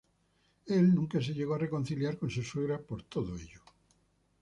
Él nunca se llegó a reconciliar con su suegra por todo ello.